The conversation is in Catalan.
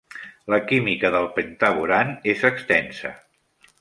La química del pentaborane és extensa.